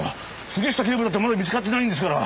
杉下警部だってまだ見つかってないんですから。